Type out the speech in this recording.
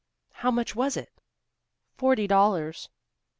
"How much was it?" "Forty dollars."